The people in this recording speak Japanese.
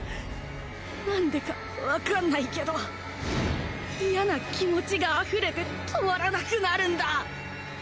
なんでかわかんないけど嫌な気持ちが溢れて止まらなくなるんだ。